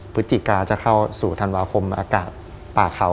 พฤศจิกาจะเข้าสู่ธันวาคมอากาศป่าเขา